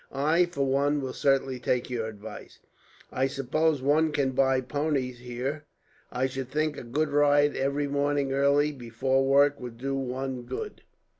"I, for one, will certainly take your advice. I suppose one can buy ponies here. I should think a good ride every morning early, before work, would do one good."